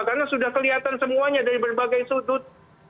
karena sudah kelihatan semuanya dari berbagai sudut